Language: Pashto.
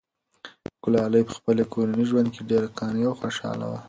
ګلالۍ په خپل کورني ژوند کې ډېره قانع او خوشحاله وه.